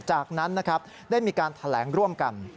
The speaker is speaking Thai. จากนั้นนะครับได้มีการแถลงร่วมกัน